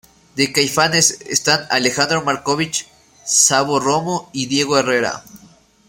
De Caifanes están Alejandro Marcovich, Sabo Romo y Diego Herrera.